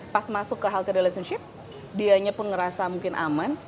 pas masuk ke health relationship dianya pun ngerasa mungkin aman